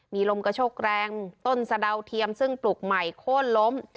มีลมกระโชกแรงต้นสะดาวเทียมซึ่งปลูกใหม่โค้นล้ม